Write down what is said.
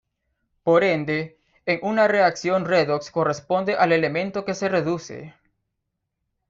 Por ende, en una reacción redox corresponde al elemento que se reduce.